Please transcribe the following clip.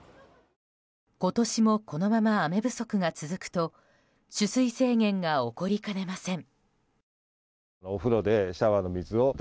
今年もこのまま雨不足が続くと取水制限が起こりかねません。